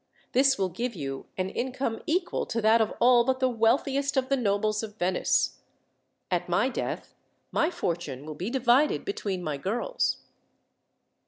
This will give you an income equal to that of all but the wealthiest of the nobles of Venice. At my death, my fortune will be divided between my girls."